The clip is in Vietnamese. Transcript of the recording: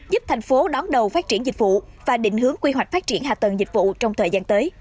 giúp thành phố đón đầu phát triển dịch vụ và định hướng quy hoạch phát triển hạ tầng dịch vụ trong thời gian tới